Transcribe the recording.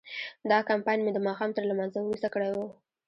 دا کمپاین مې د ماښام تر لمانځه وروسته کړی و.